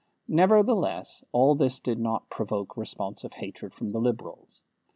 Nevertheless, all this did not provoke responsive hatred from the Liberals.